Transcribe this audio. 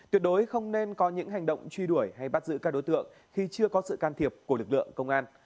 tuyệt đối không nên có những hành động truy đuổi hay bắt giữ các đối tượng khi chưa có sự can thiệp của lực lượng công an